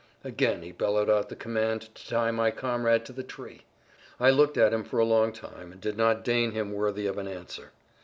Again he bellowed out the command to tie my comrade to the tree. I looked at him for a long time and did not deign him worthy of an answer.